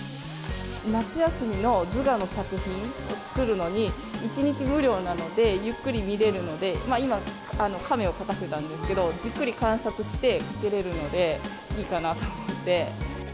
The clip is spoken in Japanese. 夏休みの図画の作品を作るのに、１日無料なので、ゆっくり見れるので、今、カメを描かせたんですけど、じっくり観察して描けれるので、いいかなと思って。